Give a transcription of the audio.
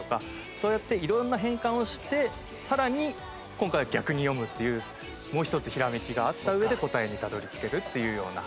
そうやって色んな変換をしてさらに今回は逆に読むっていうもう一つひらめきがあった上で答えにたどり着けるっていうような。